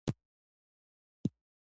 افغانستان کې د نمک په اړه زده کړه کېږي.